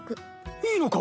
いいのか？